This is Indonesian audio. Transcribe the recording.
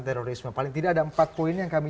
terorisme paling tidak ada empat poin yang kami